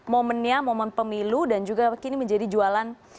momennya momen pemilu dan juga kini menjadi jualan